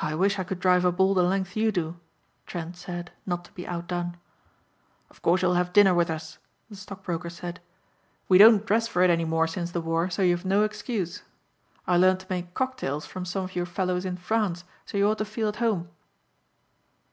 "I wish I could drive a ball the length you do," Trent said not to be outdone. "Of course you'll have dinner with us," the stockbroker said. "We don't dress for it any more since the war so you've no excuse. I learned to make cocktails from some of your fellows in France so you ought to feel at home."